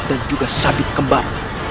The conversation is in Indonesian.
dan juga sabit kembar